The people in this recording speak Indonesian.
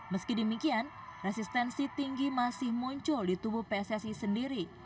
meski demikian resistensi tinggi masih muncul di tubuh pssi sendiri